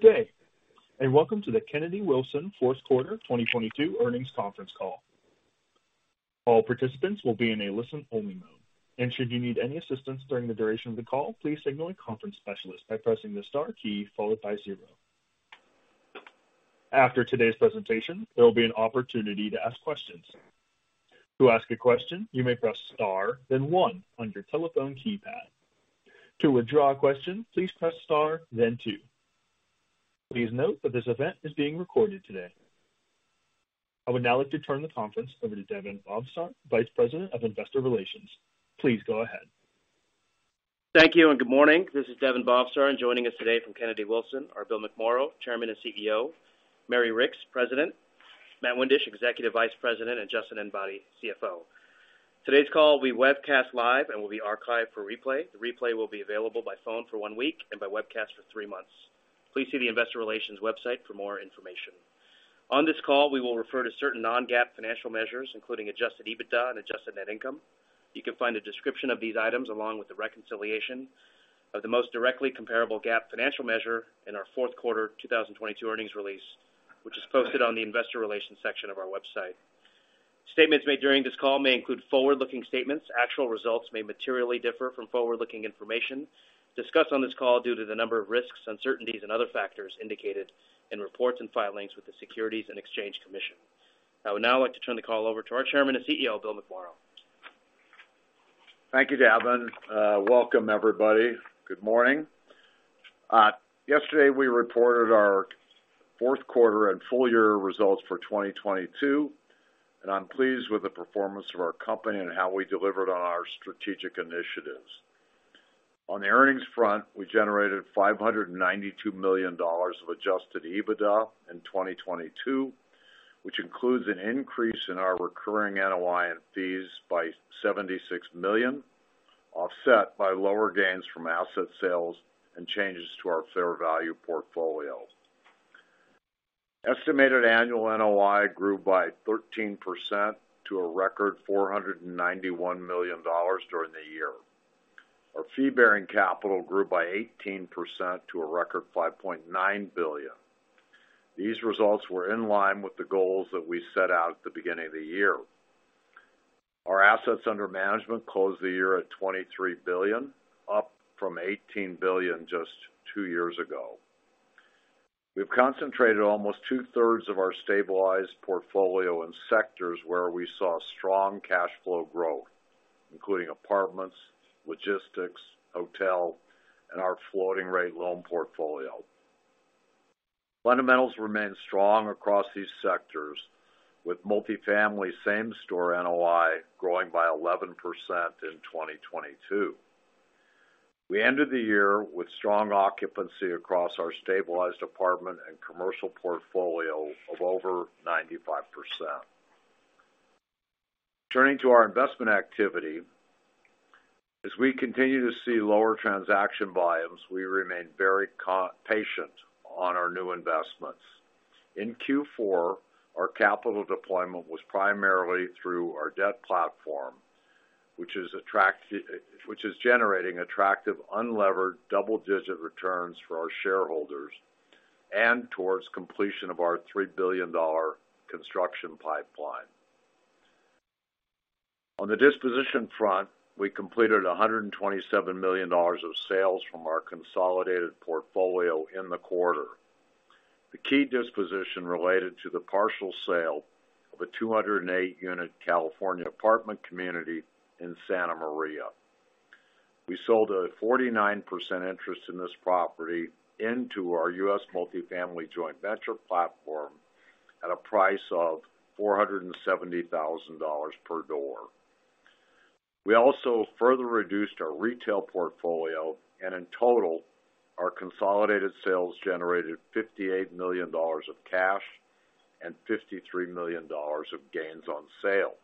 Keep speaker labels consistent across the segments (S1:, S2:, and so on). S1: Good day, and welcome to the Kennedy Wilson fourth quarter 2022 earnings conference call. All participants will be in a listen-only mode. Should you need any assistance during the duration of the call, please signal a conference specialist by pressing the star key followed by zero. After today's presentation, there will be an opportunity to ask questions. To ask a question, you may press star then one on your telephone keypad. To withdraw a question, please press star then two. Please note that this event is being recorded today. I would now like to turn the conference over to Daven Bhavsar, Vice President of Investor Relations. Please go ahead.
S2: Thank you and good morning. This is Daven Bhavsar, and joining us today from Kennedy Wilson are Bill McMorrow, Chairman and CEO, Mary Ricks, President, Matt Windisch, Executive Vice President, and Justin Enbody, CFO. Today's call will be webcast live and will be archived for replay. The replay will be available by phone for one week and by webcast for three months. Please see the investor relations website for more information. On this call, we will refer to certain non-GAAP financial measures, including adjusted EBITDA and adjusted net income. You can find a description of these items along with the reconciliation of the most directly comparable GAAP financial measure in our fourth quarter 2022 earnings release, which is posted on the investor relations section of our website. Statements made during this call may include forward-looking statements. Actual results may materially differ from forward-looking information discussed on this call due to the number of risks, uncertainties and other factors indicated in reports and filings with the Securities and Exchange Commission. I would now like to turn the call over to our Chairman and CEO, Bill McMorrow.
S3: Thank you, Daven. Welcome, everybody. Good morning. Yesterday, we reported our fourth quarter and full year results for 2022, and I'm pleased with the performance of our company and how we delivered on our strategic initiatives. On the earnings front, we generated $592 million of adjusted EBITDA in 2022, which includes an increase in our recurring NOI and fees by $76 million, offset by lower gains from asset sales and changes to our fair value portfolio. Estimated annual NOI grew by 13% to a record $491 million during the year. Our fee-bearing capital grew by 18% to a record $5.9 billion. These results were in line with the goals that we set out at the beginning of the year. Our assets under management closed the year at $23 billion, up from $18 billion just two years ago. We've concentrated almost two-thirds of our stabilized portfolio in sectors where we saw strong cash flow growth, including apartments, logistics, hotel, and our floating-rate loan portfolio. Fundamentals remain strong across these sectors, with multifamily same-store NOI growing by 11% in 2022. We ended the year with strong occupancy across our stabilized apartment and commercial portfolio of over 95%. Turning to our investment activity. As we continue to see lower transaction volumes, we remain very patient on our new investments. In Q4, our capital deployment was primarily through our debt platform, which is generating attractive unlevered double-digit returns for our shareholders and towards completion of our $3 billion construction pipeline. On the disposition front, we completed $127 million of sales from our consolidated portfolio in the quarter. The key disposition related to the partial sale of a 208-unit California apartment community in Santa Maria. We sold a 49% interest in this property into our U.S. multifamily joint venture platform at a price of $470,000 per door. In total, our consolidated sales generated $58 million of cash and $53 million of gains on sale.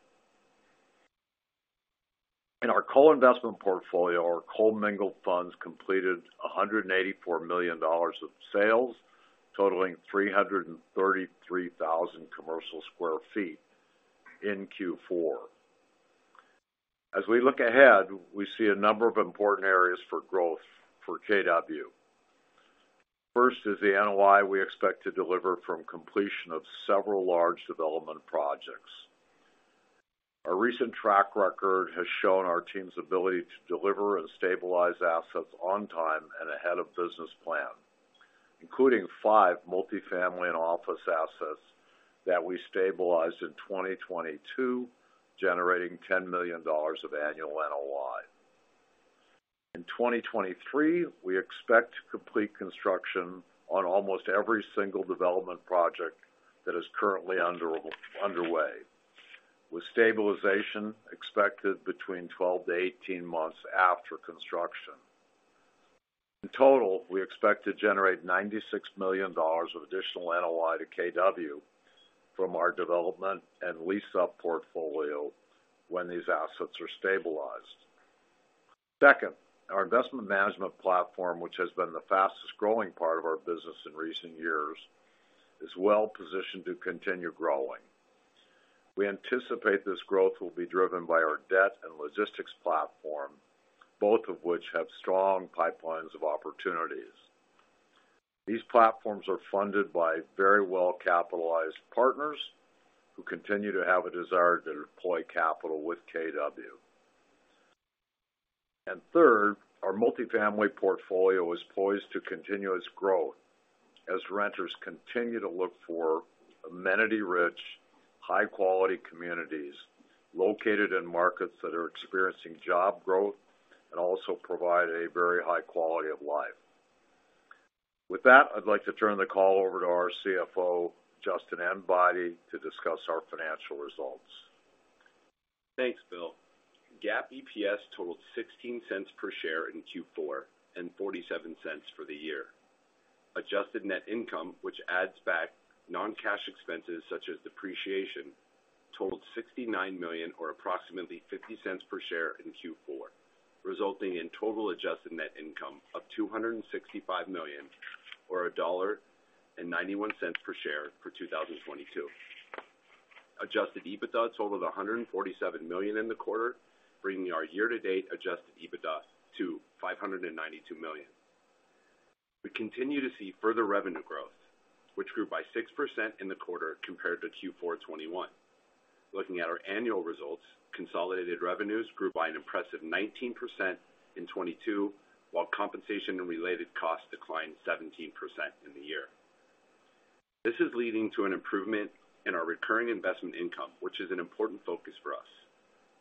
S3: In our co-investment portfolio, our co-mingled funds completed $184 million of sales, totaling 333,000 commercial sq ft in Q4. As we look ahead, we see a number of important areas for growth for KW. First is the NOI we expect to deliver from completion of several large development projects. Our recent track record has shown our team's ability to deliver and stabilize assets on time and ahead of business plan, including five multifamily and office assets that we stabilized in 2022, generating $10 million of annual NOI. In 2023, we expect to complete construction on almost every single development project that is currently under way, with stabilization expected between 12 to 18 months after construction. In total, we expect to generate $96 million of additional NOI to KW from our development and lease-up portfolio when these assets are stabilized. Second, our investment management platform, which has been the fastest-growing part of our business in recent years, is well positioned to continue growing. We anticipate this growth will be driven by our debt and logistics platform, both of which have strong pipelines of opportunities. These platforms are funded by very well-capitalized partners who continue to have a desire to deploy capital with KW. Third, our multifamily portfolio is poised to continue its growth as renters continue to look for amenity-rich, high-quality communities located in markets that are experiencing job growth and also provide a very high quality of life. With that, I'd like to turn the call over to our CFO, Justin Enbody, to discuss our financial results.
S4: Thanks, Bill. GAAP EPS totaled $0.16 per share in Q4 and $0.47 for the year. Adjusted net income, which adds back non-cash expenses such as depreciation, totaled $69 million or approximately $0.50 per share in Q4, resulting in total adjusted net income of $265 million or $1.91 per share for 2022. Adjusted EBITDA totaled $147 million in the quarter, bringing our year-to-date adjusted EBITDA to $592 million. We continue to see further revenue growth, which grew by 6% in the quarter compared to Q4 2021. Looking at our annual results, consolidated revenues grew by an impressive 19% in 2022, while compensation and related costs declined 17% in the year. This is leading to an improvement in our recurring investment income, which is an important focus for us.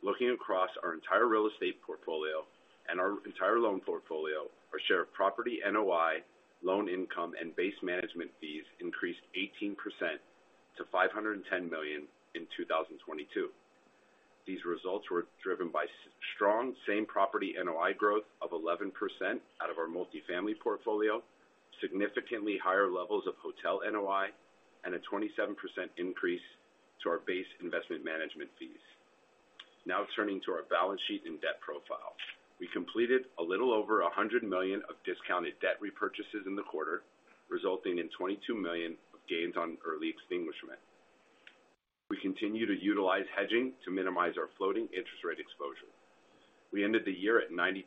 S4: Looking across our entire real estate portfolio and our entire loan portfolio, our share of property NOI, loan income, and base management fees increased 18% to $510 million in 2022. These results were driven by strong same-property NOI growth of 11% out of our multifamily portfolio, significantly higher levels of hotel NOI, and a 27% increase to our base investment management fees. Turning to our balance sheet and debt profile. We completed a little over $100 million of discounted debt repurchases in the quarter, resulting in $22 million of gains on early extinguishment. We continue to utilize hedging to minimize our floating interest rate exposure. We ended the year at 93%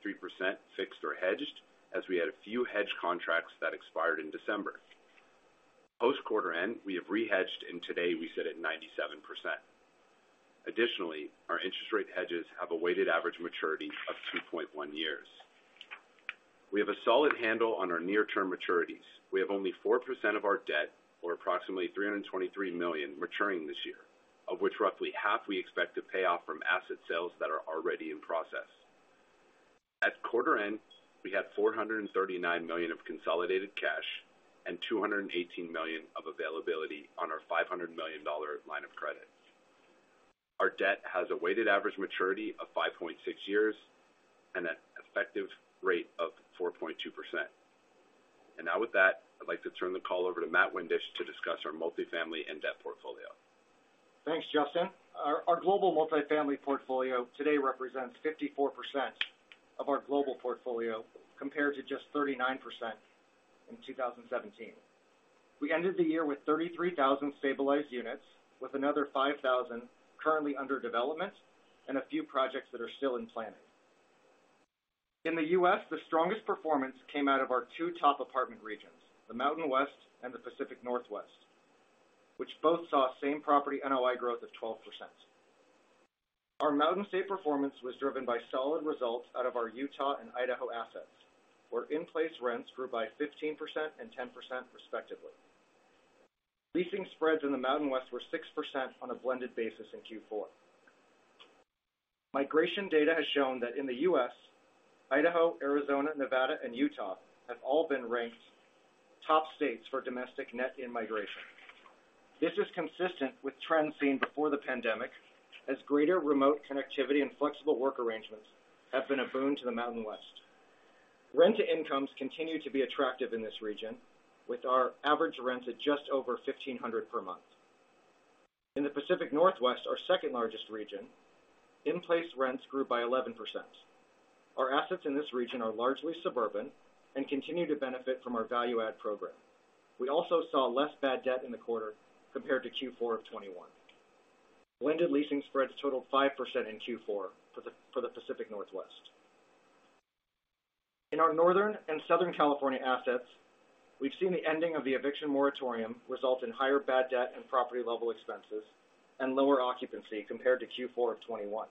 S4: fixed or hedged, as we had a few hedge contracts that expired in December. Post quarter end, we have re-hedged, and today we sit at 97%. Additionally, our interest rate hedges have a weighted average maturity of 2.1 years. We have a solid handle on our near-term maturities. We have only 4% of our debt, or approximately $323 million, maturing this year, of which roughly half we expect to pay off from asset sales that are already in process. At quarter end, we had $439 million of consolidated cash and $218 million of availability on our $500 million line of credit. Our debt has a weighted average maturity of 5.6 years and an effective rate of 4.2%. Now with that, I'd like to turn the call over to Matt Windisch to discuss our multifamily and debt portfolio.
S5: Thanks, Justin. Our global multifamily portfolio today represents 54% of our global portfolio, compared to just 39% in 2017. We ended the year with 33,000 stabilized units, with another 5,000 currently under development and a few projects that are still in planning. In the U.S., the strongest performance came out of our two top apartment regions, the Mountain West and the Pacific Northwest, which both saw same-property NOI growth of 12%. Our Mountain States performance was driven by solid results out of our Utah and Idaho assets, where in-place rents grew by 15% and 10% respectively. Leasing spreads in the Mountain West were 6% on a blended basis in Q4. Migration data has shown that in the U.S., Idaho, Arizona, Nevada, and Utah have all been ranked top states for domestic net in-migration. This is consistent with trends seen before the pandemic, as greater remote connectivity and flexible work arrangements have been a boon to the Mountain States. Rent-to-incomes continue to be attractive in this region, with our average rent at just over $1,500 per month. In the Pacific Northwest, our second-largest region, in-place rents grew by 11%. Our assets in this region are largely suburban and continue to benefit from our value add program. We also saw less bad debt in the quarter compared to Q4 of 2021. Blended leasing spreads totaled 5% in Q4 for the Pacific Northwest. In our Northern and Southern California assets, we've seen the ending of the eviction moratorium result in higher bad debt and property-level expenses and lower occupancy compared to Q4 of 2021.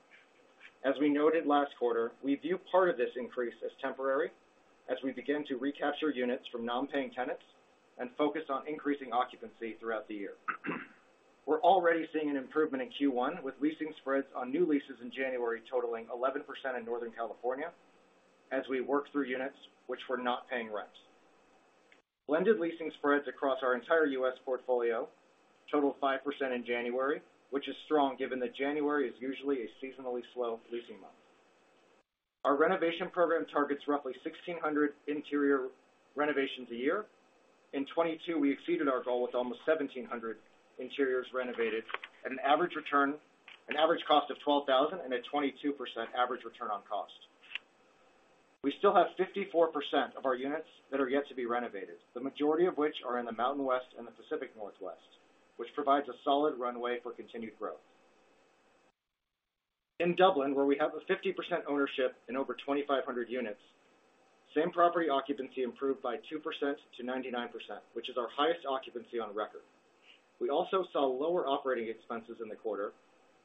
S5: As we noted last quarter, we view part of this increase as temporary as we begin to recapture units from non-paying tenants and focus on increasing occupancy throughout the year. We're already seeing an improvement in Q1, with leasing spreads on new leases in January totaling 11% in Northern California as we work through units which were not paying rents. Blended leasing spreads across our entire U.S. portfolio totaled 5% in January, which is strong given that January is usually a seasonally slow leasing month. Our renovation program targets roughly 1,600 interior renovations a year. In 2022, we exceeded our goal with almost 1,700 interiors renovated at an average cost of $12,000 and a 22% average Return on Cost. We still have 54% of our units that are yet to be renovated, the majority of which are in the Mountain West and the Pacific Northwest, which provides a solid runway for continued growth. In Dublin, where we have a 50% ownership in over 2,500 units, same-property occupancy improved by 2%-99%, which is our highest occupancy on record. We also saw lower operating expenses in the quarter,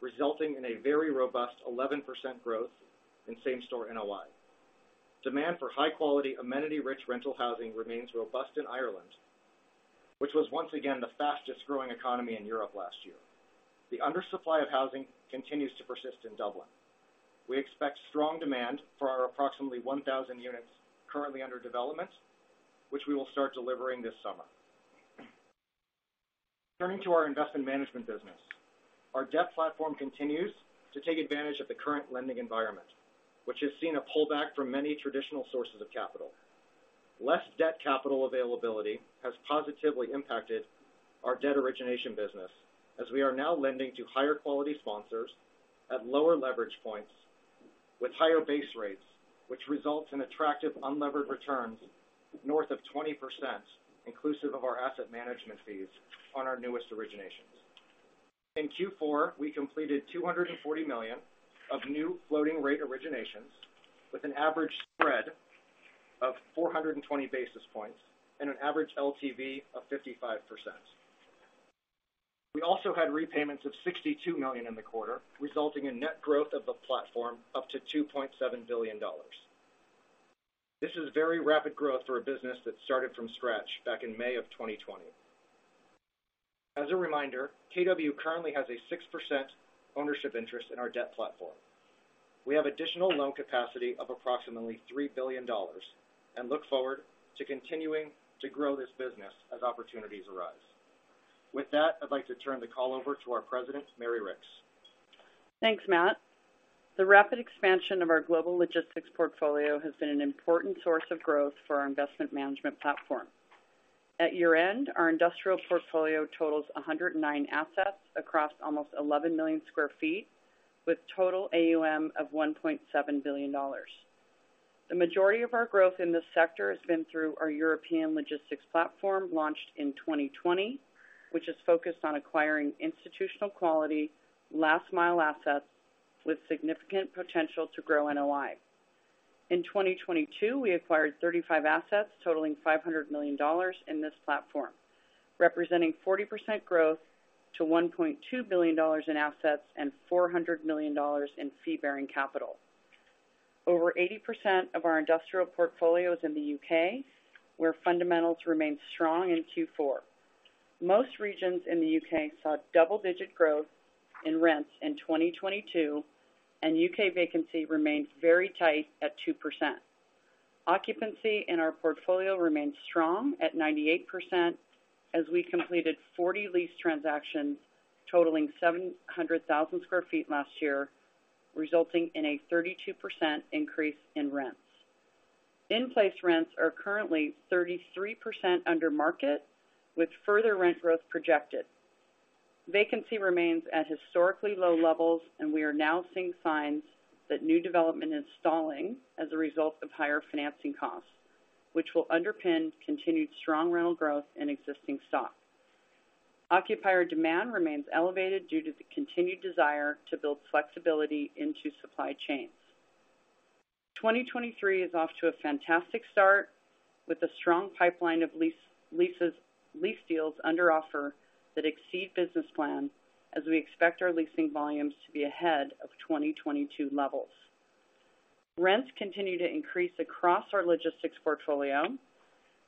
S5: resulting in a very robust 11% growth in same-store NOI. Demand for high quality, amenity-rich rental housing remains robust in Ireland, which was once again the fastest growing economy in Europe last year. The undersupply of housing continues to persist in Dublin. We expect strong demand for our approximately 1,000 units currently under development, which we will start delivering this summer. Turning to our investment management business. Our debt platform continues to take advantage of the current lending environment, which has seen a pullback from many traditional sources of capital. Less debt capital availability has positively impacted our debt origination business as we are now lending to higher quality sponsors at lower leverage points with higher base rates, which results in attractive unlevered returns north of 20% inclusive of our asset management fees on our newest originations. In Q4, we completed $240 million of new floating-rate originations with an average spread of 420 basis points and an average LTV of 55%. We also had repayments of $62 million in the quarter, resulting in net growth of the platform up to $2.7 billion. This is very rapid growth for a business that started from scratch back in May of 2020. As a reminder, KW currently has a 6% ownership interest in our debt platform. We have additional loan capacity of approximately $3 billion and look forward to continuing to grow this business as opportunities arise. With that, I'd like to turn the call over to our President, Mary Ricks.
S6: Thanks, Matt. The rapid expansion of our global logistics portfolio has been an important source of growth for our investment management platform. At year-end, our industrial portfolio totals 109 assets across almost 11 million sq ft, with total AUM of $1.7 billion. The majority of our growth in this sector has been through our European logistics platform, launched in 2020, which is focused on acquiring institutional quality last mile assets with significant potential to grow NOI. In 2022, we acquired 35 assets totaling $500 million in this platform, representing 40% growth to $1.2 billion in assets and $400 million in fee-bearing capital. Over 80% of our industrial portfolio is in the U.K., where fundamentals remained strong in Q4. Most regions in the U.K. saw double-digit growth in rents in 2022, and U.K. vacancy remains very tight at 2%. Occupancy in our portfolio remains strong at 98% as we completed 40 lease transactions totaling 700,000 sq ft last year, resulting in a 32% increase in rents. In-place rents are currently 33% under market, with further rent growth projected. Vacancy remains at historically low levels, and we are now seeing signs that new development is stalling as a result of higher financing costs, which will underpin continued strong rental growth in existing stock. Occupier demand remains elevated due to the continued desire to build flexibility into supply chains. 2023 is off to a fantastic start with a strong pipeline of lease deals under offer that exceed business plan as we expect our leasing volumes to be ahead of 2022 levels. Rents continue to increase across our logistics portfolio.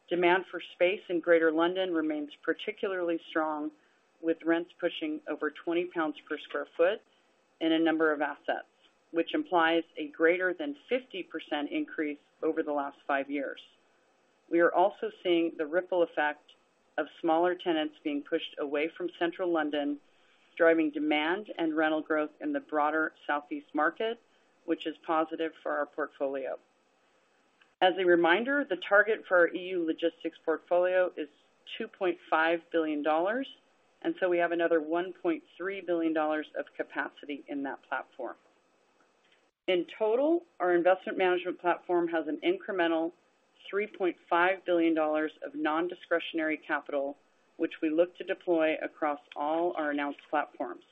S6: Demand for space in Greater London remains particularly strong, with rents pushing over 20 pounds per sq ft in a number of assets, which implies a greater than 50% increase over the last five years. We are also seeing the ripple effect of smaller tenants being pushed away from central London, driving demand and rental growth in the broader Southeast market, which is positive for our portfolio. As a reminder, the target for our EU logistics portfolio is $2.5 billion, we have another $1.3 billion of capacity in that platform. In total, our investment management platform has an incremental $3.5 billion of nondiscretionary capital, which we look to deploy across all our announced platforms.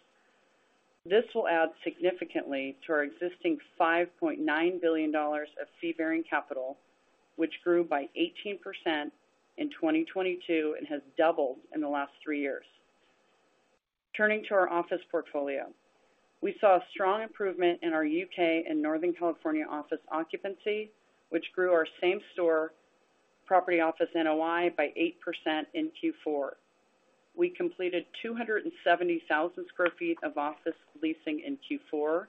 S6: This will add significantly to our existing $5.9 billion of fee-bearing capital, which grew by 18% in 2022 and has doubled in the last three years. Turning to our office portfolio. We saw a strong improvement in our U.K. and Northern California office occupancy, which grew our same store property office NOI by 8% in Q4. We completed 270,000 sq ft of office leasing in Q4,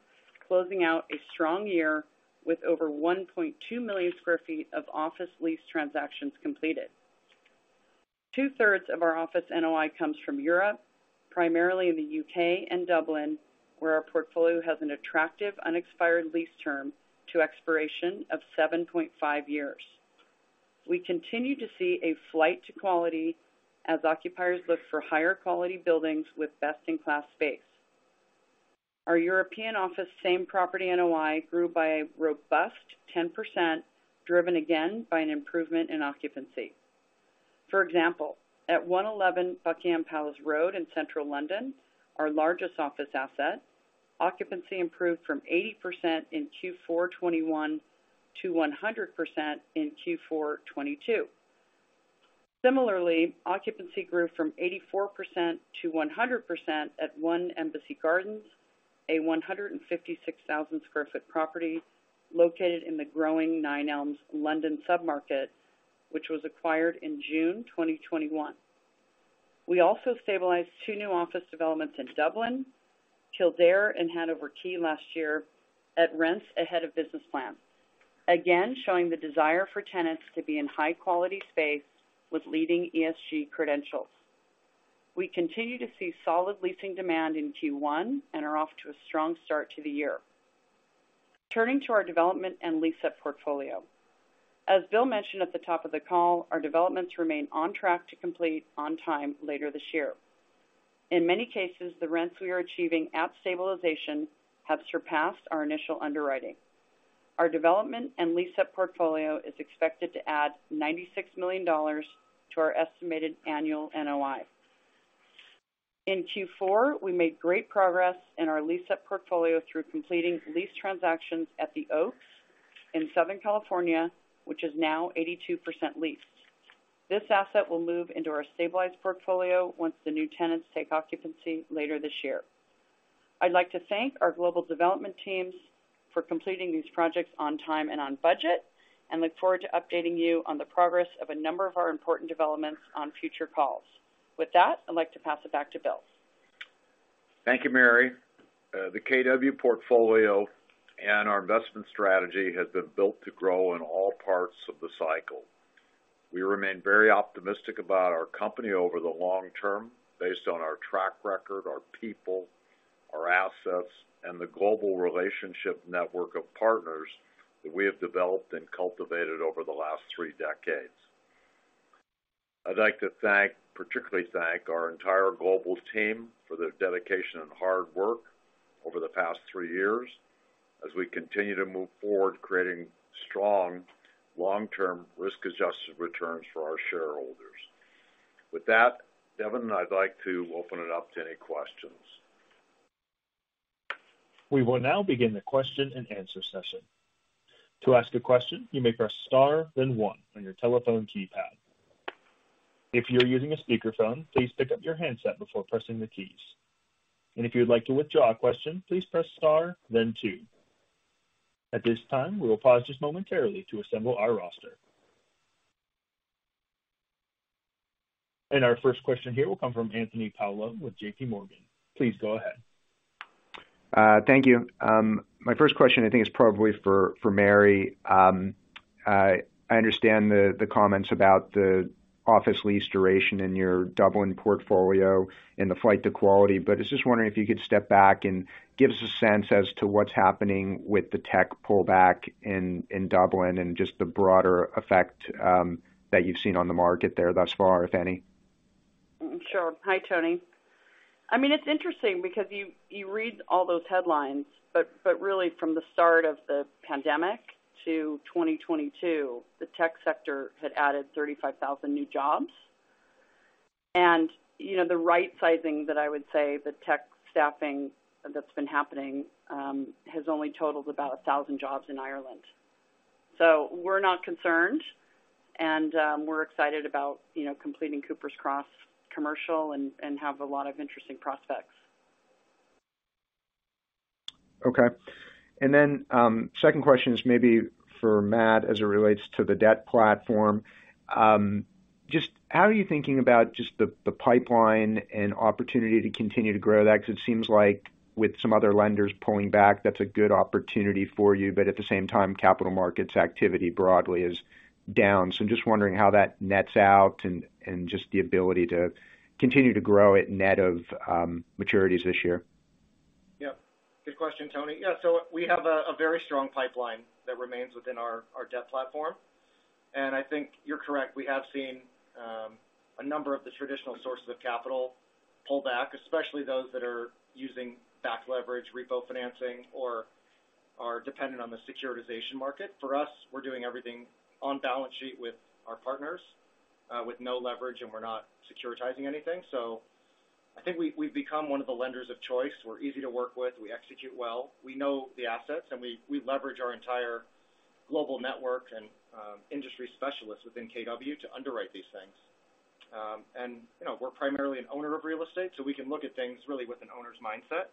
S6: closing out a strong year with over 1.2 million sq ft of office lease transactions completed. Two-thirds of our office NOI comes from Europe, primarily in the U.K. and Dublin, where our portfolio has an attractive unexpired lease term to expiration of 7.5 years. We continue to see a flight to quality as occupiers look for higher quality buildings with best-in-class space. Our European office same-property NOI grew by a robust 10%, driven again by an improvement in occupancy. For example, at 111 Buckingham Palace Road in central London, our largest office asset, occupancy improved from 80% in Q4 2021 to 100% in Q4 2022. Similarly, occupancy grew from 84% to 100% at One Embassy Gardens, a 156,000 sq ft property located in the growing Nine Elms London sub-market, which was acquired in June 2021. We also stabilized two new office developments in Dublin, Kildare, and 10 Hanover Quay last year at rents ahead of business plan. Showing the desire for tenants to be in high quality space with leading ESG credentials. We continue to see solid leasing demand in Q1 and are off to a strong start to the year. Turning to our development and lease-up portfolio. As Bill mentioned at the top of the call, our developments remain on track to complete on time later this year. In many cases, the rents we are achieving at stabilization have surpassed our initial underwriting. Our development and lease-up portfolio is expected to add $96 million to our estimated annual NOI. In Q4, we made great progress in our lease-up portfolio through completing lease transactions at The Oaks in Southern California, which is now 82% leased. This asset will move into our stabilized portfolio once the new tenants take occupancy later this year. I'd like to thank our global development teams for completing these projects on time and on budget, and look forward to updating you on the progress of a number of our important developments on future calls. With that, I'd like to pass it back to Bill.
S3: Thank you, Mary. The KW portfolio and our investment strategy has been built to grow in all parts of the cycle. We remain very optimistic about our company over the long term based on our track record, our people, our assets, and the global relationship network of partners that we have developed and cultivated over the last three decades. I'd like to particularly thank our entire global team for their dedication and hard work over the past three years as we continue to move forward, creating strong long-term risk-adjusted returns for our shareholders. With that, Daven, I'd like to open it up to any questions.
S1: We will now begin the question-and-answer session. To ask a question, you may press star, then one on your telephone keypad. If you're using a speakerphone, please pick up your handset before pressing the keys. If you'd like to withdraw a question, please press star, then two. At this time, we will pause just momentarily to assemble our roster. Our first question here will come from Anthony Paolone with JPMorgan. Please go ahead.
S7: Thank you. My first question I think is probably for Mary. I understand the comments about the office lease duration in your Dublin portfolio in the flight to quality, but I was just wondering if you could step back and give us a sense as to what's happening with the tech pullback in Dublin and just the broader effect that you've seen on the market there thus far, if any?
S6: Sure. Hi, Tony. I mean, it's interesting because you read all those headlines, but really from the start of the pandemic to 2022, the tech sector had added 35,000 new jobs. You know, the right sizing that I would say the tech staffing that's been happening has only totaled about 1,000 jobs in Ireland. We're not concerned, and we're excited about, you know, completing Coopers Cross Commercial and have a lot of interesting prospects.
S7: Okay. Second question is maybe for Matt as it relates to the debt platform. Just how are you thinking about just the pipeline and opportunity to continue to grow that? Because it seems like with some other lenders pulling back, that's a good opportunity for you, but at the same time, capital markets activity broadly is down. I'm just wondering how that nets out and just the ability to continue to grow at net of maturities this year.
S5: Good question, Tony. We have a very strong pipeline that remains within our debt platform. I think you're correct. We have seen a number of the traditional sources of capital pull back, especially those that are using Back Leverage, Repo Financing, or are dependent on the Securitization Market. For us, we're doing everything on balance sheet with our partners with no leverage, and we're not securitizing anything. I think we've become one of the lenders of choice. We're easy to work with. We execute well. We know the assets, and we leverage our entire global network and industry specialists within KW to underwrite these things. You know, we're primarily an owner of real estate, so we can look at things really with an owner's mindset.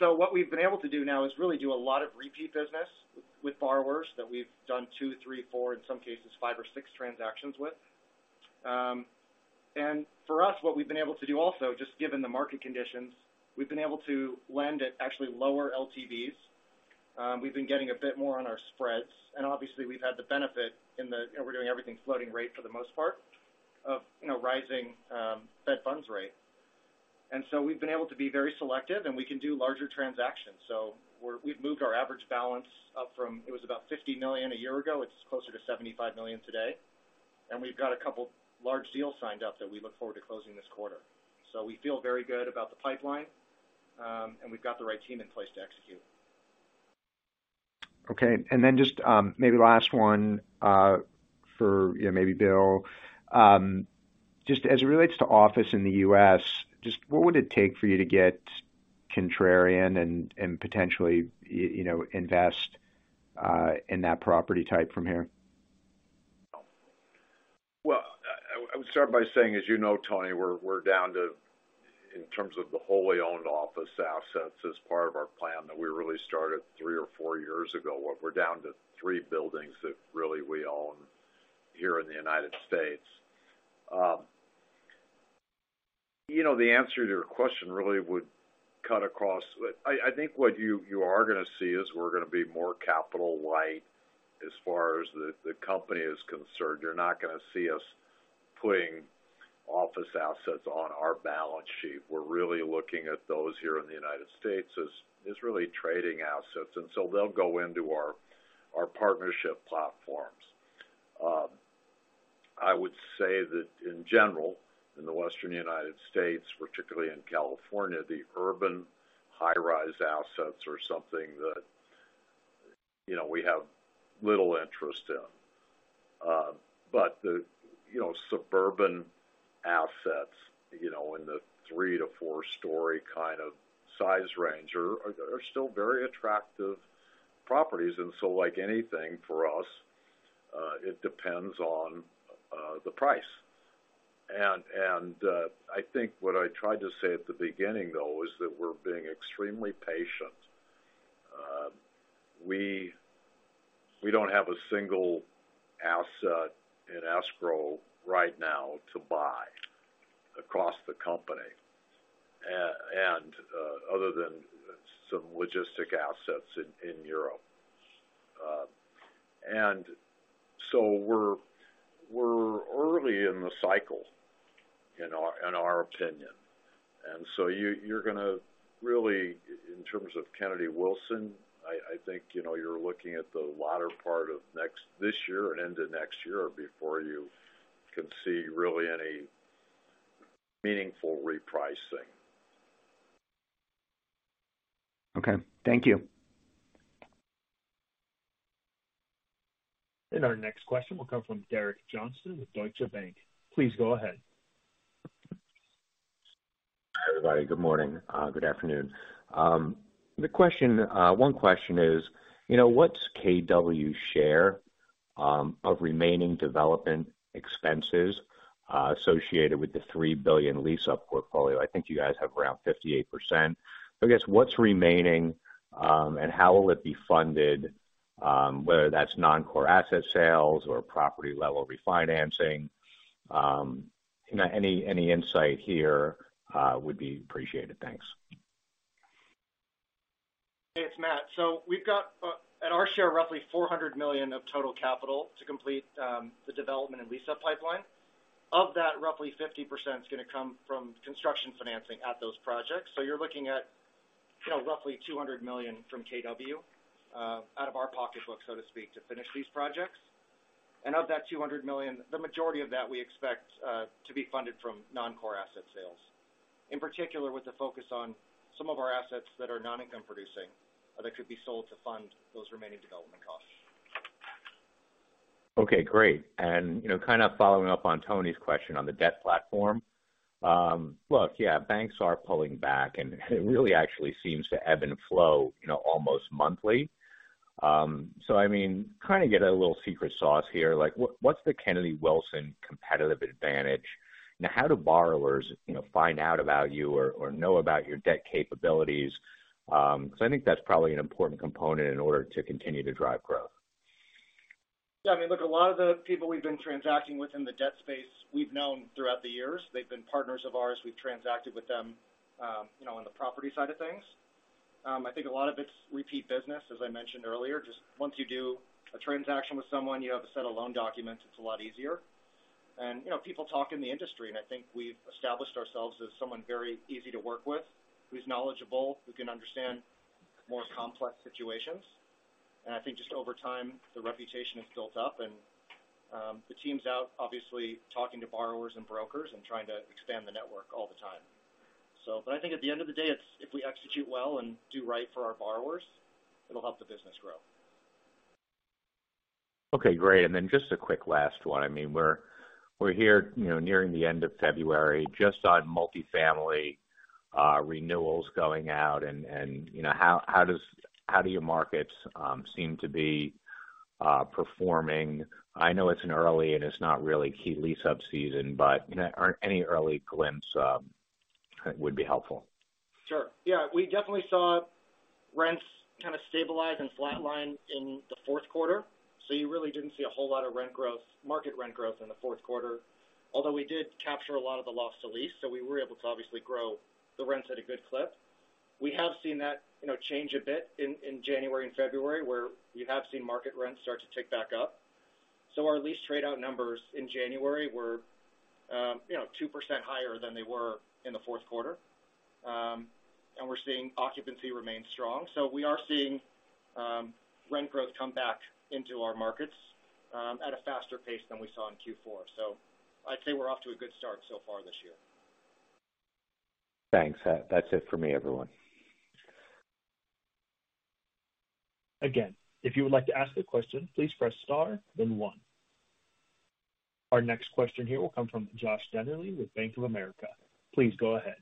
S5: What we've been able to do now is really do a lot of repeat business with borrowers that we've done two, three, four, in some cases, five or six transactions with. For us, what we've been able to do also, just given the market conditions, we've been able to lend at actually lower LTVs. We've been getting a bit more on our spreads, and obviously, we've had the benefit and we're doing everything floating-rate for the most part of, you know, rising Federal Funds Rate. We've been able to be very selective, and we can do larger transactions. We've moved our average balance up from, it was about $50 million a year ago, it's closer to $75 million today. And we've got a couple large deals signed up that we look forward to closing this quarter. We feel very good about the pipeline, and we've got the right team in place to execute.
S7: Okay. Then just, maybe last one, for, you know, maybe Bill. Just as it relates to office in the U.S., just what would it take for you to get contrarian and potentially, you know, invest, in that property type from here?
S3: Well, I would start by saying, as you know, Tony, we're down to, in terms of the wholly owned office assets as part of our plan that we really started three or four years ago, what we're down to three buildings that really we own here in the United States. You know, the answer to your question really would cut across. I think what you are gonna see is we're gonna be more capital light as far as the company is concerned. You're not gonna see us putting office assets on our balance sheet. We're really looking at those here in the United States as really trading assets, they'll go into our partnership platforms. I would say that in general, in the Western U.S., particularly in California, the urban high-rise assets are something that, you know, we have little interest in. The, you know, suburban assets, you know, in the three to four story kind of size range are still very attractive properties. Like anything for us, it depends on the price. I think what I tried to say at the beginning though, is that we're being extremely patient. We don't have a single asset in escrow right now to buy across the company, and other than some logistic assets in Europe. We're early in the cycle, in our opinion. You're gonna really, in terms of Kennedy Wilson, I think, you know, you're looking at the latter part of this year and into next year before you can see really any meaningful repricing.
S7: Okay, thank you.
S1: Our next question will come from Derek Johnston with Deutsche Bank. Please go ahead.
S8: Hi, everybody. Good morning. Good afternoon. The question, one question is, you know, what's KW share of remaining development expenses associated with the $3 billion lease-up portfolio? I think you guys have around 58%. So I guess what's remaining, and how will it be funded, whether that's non-core asset sales or property level refinancing? You know, any insight here, would be appreciated. Thanks.
S5: Hey, it's Matt. We've got, at our share, roughly $400 million of total capital to complete the development and lease-up pipeline. Of that, roughly 50% is gonna come from construction financing at those projects. You're looking at, you know, roughly $200 million from KW out of our pocketbook, so to speak, to finish these projects. Of that $200 million, the majority of that we expect to be funded from non-core asset sales. In particular, with the focus on some of our assets that are non-income producing, that could be sold to fund those remaining development costs.
S8: Okay, great. You know, kind of following up on Tony's question on the debt platform. Look, yeah, banks are pulling back, and it really actually seems to ebb and flow, you know, almost monthly. I mean, kind of get a little secret sauce here, like what's the Kennedy Wilson competitive advantage? Now, how do borrowers, you know, find out about you or know about your debt capabilities? 'Cause I think that's probably an important component in order to continue to drive growth.
S5: Yeah. I mean, look, a lot of the people we've been transacting with in the debt space, we've known throughout the years. They've been partners of ours. We've transacted with them, you know, on the property side of things. I think a lot of it's repeat business, as I mentioned earlier. Just once you do a transaction with someone, you have a set of loan documents, it's a lot easier. You know, people talk in the industry, and I think we've established ourselves as someone very easy to work with, who's knowledgeable, who can understand more complex situations. I think just over time, the reputation has built up and, the team's out obviously talking to borrowers and brokers and trying to expand the network all the time. I think at the end of the day, it's if we execute well and do right for our borrowers, it'll help the business grow.
S8: Okay, great. Just a quick last one. I mean, we're here, you know, nearing the end of February, just on multifamily, renewals going out and, you know, how do your markets seem to be performing? I know it's an early and it's not really key lease-up season, but, you know, any early glimpse would be helpful.
S5: Sure. Yeah. We definitely saw rents kind of stabilize and flatline in the fourth quarter. You really didn't see a whole lot of rent growth, market rent growth in the fourth quarter, although we did capture a lot of the loss to lease, so we were able to obviously grow the rents at a good clip. We have seen that, you know, change a bit in January and February, where we have seen market rents start to tick back up. Our lease trade-out numbers in January were, you know, 2% higher than they were in the fourth quarter. We're seeing occupancy remain strong. We are seeing rent growth come back into our markets at a faster pace than we saw in Q4. I'd say we're off to a good start so far this year.
S8: Thanks. That's it for me, everyone.
S1: If you would like to ask a question, please press star one. Our next question here will come from Josh Dennerlein with Bank of America. Please go ahead.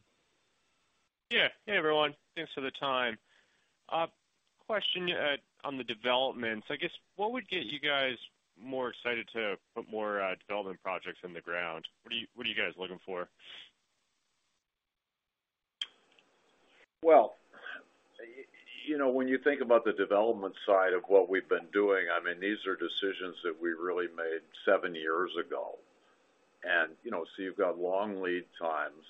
S9: Yeah. Hey, everyone. Thanks for the time. Question on the developments. I guess, what would get you guys more excited to put more development projects in the ground? What are you guys looking for?
S3: Well, you know, when you think about the development side of what we've been doing, I mean, these are decisions that we really made seven years ago. You know, so you've got long lead times.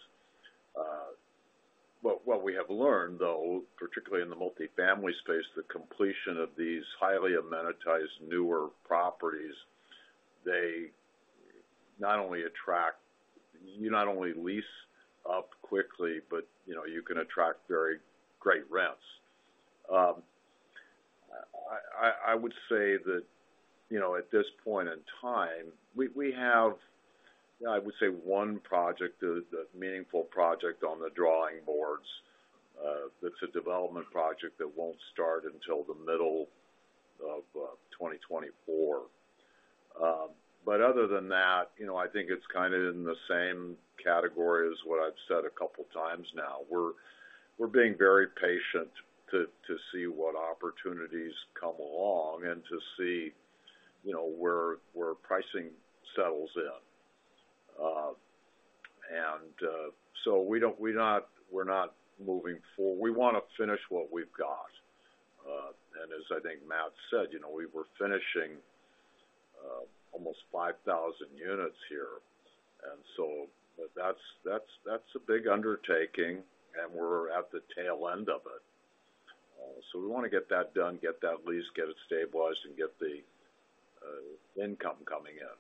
S3: What we have learned, though, particularly in the multifamily space, the completion of these highly amenitized newer properties, they not only attract. You not only lease up quickly, but, you know, you can attract very great rents. I would say that, you know, at this point in time, we have, I would say, one project that meaningful project on the drawing boards, that's a development project that won't start until the middle of 2024. Other than that, you know, I think it's kind of in the same category as what I've said a couple times now. We're being very patient to see what opportunities come along and to see, you know, where pricing settles in. We're not moving forward. We wanna finish what we've got. And as I think Matt said, you know, we were finishing almost 5,000 units here. That's a big undertaking, and we're at the tail end of it. So we wanna get that done, get that leased, get it stabilized, and get the income coming in.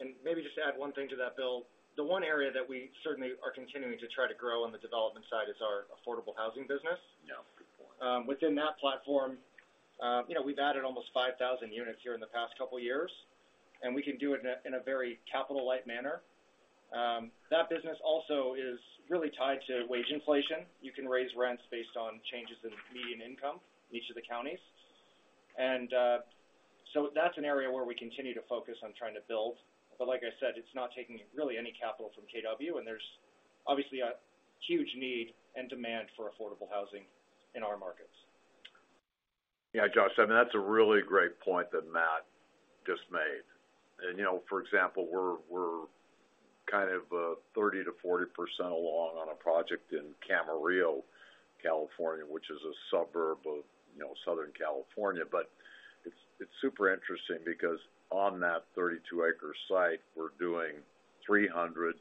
S5: Maybe just to add one thing to that, Bill. The one area that we certainly are continuing to try to grow on the development side is our affordable housing business.
S3: Yeah. Good point.
S5: Within that platform, you know, we've added almost 5,000 units here in the past couple years, and we can do it in a, in a very capital-light manner. That business also is really tied to wage inflation. You can raise rents based on changes in median income in each of the counties. So that's an area where we continue to focus on trying to build. Like I said, it's not taking really any capital from KW, and there's obviously a huge need and demand for affordable housing in our markets.
S3: Yeah. Josh, I mean, that's a really great point that Matt just made. You know, for example, we're kind of 30%-40% along on a project in Camarillo, California, which is a suburb of, you know, Southern California. It's super interesting because on that 32 acre site, we're doing 300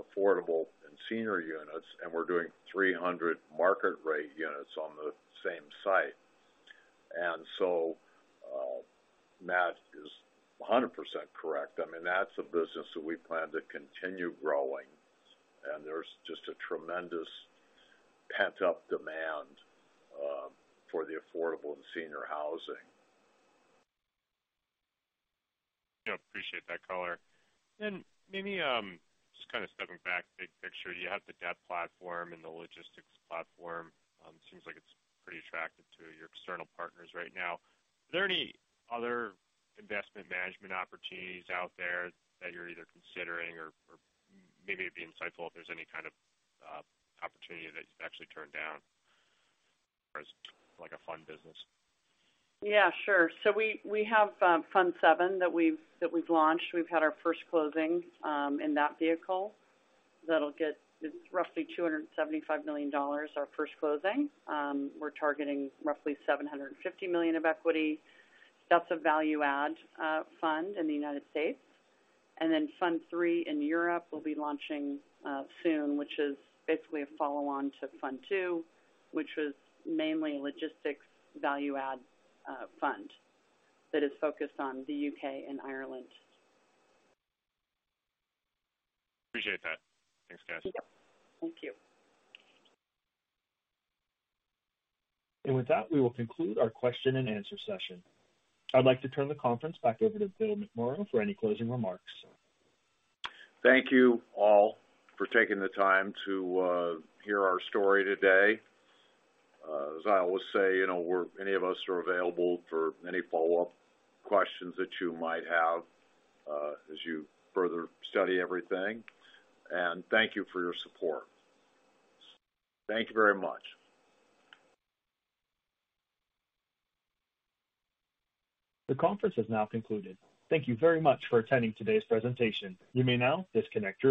S3: affordable and senior units, and we're doing 300 market rate units on the same site. Matt is 100% correct. I mean, that's a business that we plan to continue growing. There's just a tremendous pent-up demand for the affordable and senior housing.
S9: Yeah. Appreciate that color. Maybe, just kind of stepping back, big picture. You have the debt platform and the logistics platform. Seems like it's pretty attractive to your external partners right now. Are there any other investment management opportunities out there that you're either considering or maybe it'd be insightful if there's any kind of opportunity that you've actually turned down as like a fund business?
S6: Yeah, sure. We have Fund VII that we've launched. We've had our first closing in that vehicle. That'll get roughly $275 million, our first closing. We're targeting roughly $750 million of equity. That's a value add fund in the United States. Fund III in Europe will be launching soon, which is basically a follow on to Fund II, which was mainly a logistics value add fund that is focused on the U.K. and Ireland.
S9: Appreciate that. Thanks, guys.
S6: Yep. Thank you.
S1: With that, we will conclude our question and answer session. I'd like to turn the conference back over to Bill McMorrow for any closing remarks.
S3: Thank you all for taking the time to hear our story today. As I always say, you know, any of us are available for any follow-up questions that you might have, as you further study everything. Thank you for your support. Thank you very much.
S1: The conference has now concluded. Thank you very much for attending today's presentation. You may now disconnect your line.